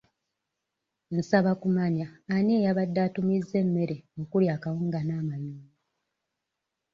Nsaba kumanya ani eyabadde atumizza emmere okuli akawunga n'amayuuni?